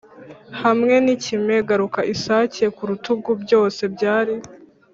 hamwe n'ikime, garuka, isake ku rutugu: byose byari